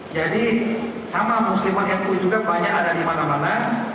jadi sama musliman yang kusul juga banyak ada di mana mana